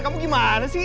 kamu gimana sih